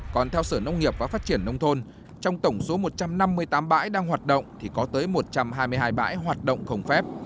còn theo sở nông nghiệp và phát triển nông thôn trong tổng số một trăm năm mươi tám bãi đang hoạt động thì có tới một trăm hai mươi hai bãi hoạt động không phép